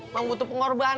mau butuh pengorbanan